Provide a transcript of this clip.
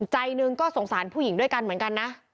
ใจหนึ่งก็สงสารผู้หญิงด้วยกันเหมือนกันนะ